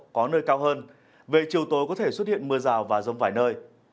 có nơi cao hơn về chiều tối có thể xuất hiện mưa rào và rông vài nơi